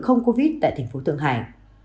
không covid tại thành phố tượng hải